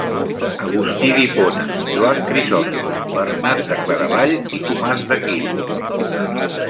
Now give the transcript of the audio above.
Agustí d'Hipona, Joan Crisòstom, Bernat de Claravall i Tomàs d'Aquino.